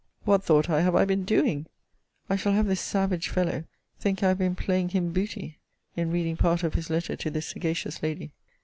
What, thought I, have I been doing! I shall have this savage fellow think I have been playing him booty, in reading part of his letter to this sagacious lady!